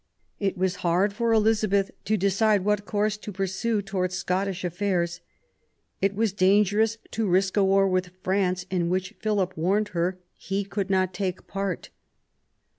It was hard for Elizabeth to decide what course to pursue towards Scottish affairs. It was dangerous to risk a war with France, in which Philip warned her he could not take part.